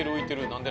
何で？